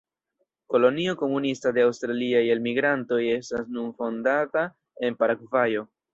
Kolonio komunista de Aŭstraliaj elmigrantoj estas nun fondata en Paragvajo.